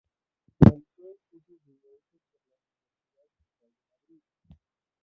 Realizó estudios de derecho por la Universidad Central de Madrid.